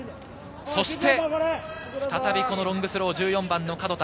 そして再びロングスロー、１４番・角田。